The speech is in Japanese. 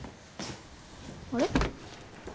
あれ？